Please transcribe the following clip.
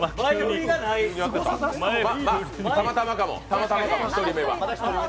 たまたまかも、１人目は。